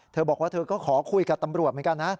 เธอบอกว่าเธอก็ขอคุยกับตำรวจเหมือนกันนะ